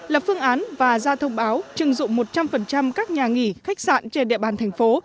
lập phương án và ra thông báo trừng dụng một trăm linh các nhà nghỉ khách sạn trên địa bàn thành phố